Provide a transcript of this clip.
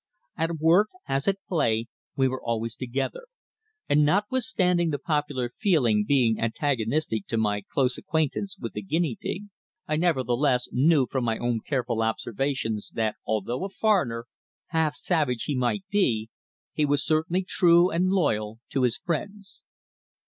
At work, as at play, we were always together, and notwithstanding the popular feeling being antagonistic to my close acquaintance with the "Guinea Pig," I nevertheless knew from my own careful observations that although a foreigner, half savage he might be, he was certainly true and loyal to his friends.